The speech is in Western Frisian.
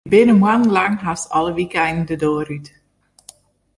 Wy binne moannen lang hast alle wykeinen de doar út.